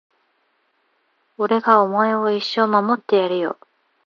俺がお前を一生守ってやるよ